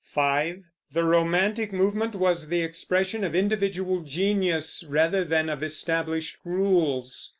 5. The romantic movement was the expression of individual genius rather than of established rules.